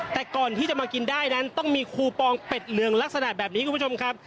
แต่ก่อนที่จะมากินได้นั้นต้องมีคูปองเป็ดเหลืองลักษณะแบบนี้คุณผู้ชมครับ